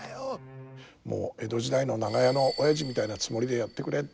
もう江戸時代の長屋のおやじみたいなつもりでやってくれって。